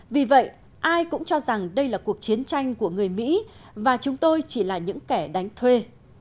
vì vậy ai cũng cho rằng đây là cuộc chiến tranh của người mỹ và chúng tôi chỉ là những kẻ đánh thuê